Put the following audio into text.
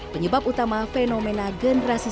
penyebab utama fenomena generasi